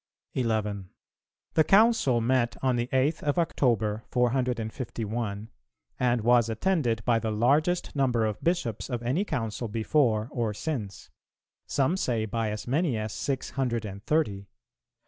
11. The Council met on the 8th of October, 451, and was attended by the largest number of Bishops of any Council before or since; some say by as many as six hundred and thirty.